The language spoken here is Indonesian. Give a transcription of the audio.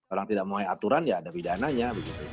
orang tidak memiliki aturan ya ada pidananya